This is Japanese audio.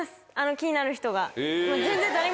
気になる人が。